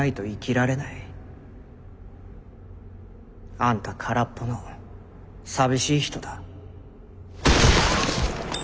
あんた空っぽの寂しい人だ。